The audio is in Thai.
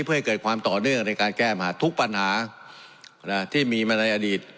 เพื่อให้เกิดความต่อเนื่องในการแก้ปัญหาทุกปัญหาที่มีมาในอดีต